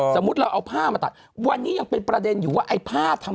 สมมุติเราเอาผ้ามาตัดวันนี้ยังเป็นประเด็นอยู่ว่าไอ้ผ้าทำ